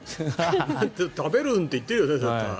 「食べる」って言ってるよね、絶対。